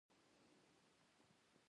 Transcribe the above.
بادرنګ د غاښونو صفا کولو کې مرسته کوي.